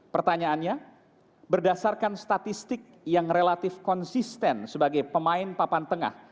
pertanyaannya berdasarkan statistik yang relatif konsisten sebagai pemain papan tengah